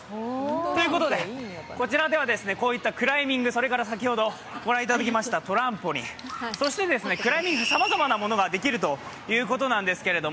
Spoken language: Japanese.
ということで、こちらではこういったクライミング、先ほどご覧いただきましたトランポリン、そしてクライミング、さまざまなものができるということなんですけど